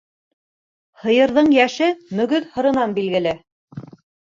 Һыйырҙың йәше мөгөҙ һырынан билгеле.